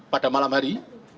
pada malam hari